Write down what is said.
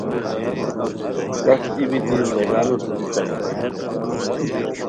سف ای بیتی ڑیگانو ٹھورتانی